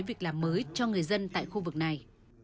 việc làm mới cho người dân tại khu vực này